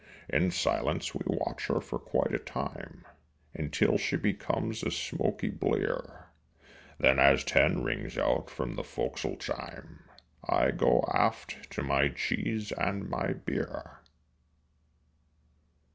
In silence we watch her for quite a time Until she becomes a smoky blear, Then as ten rings out from the fo'c'sle chime I go aft to my cheese and my beer.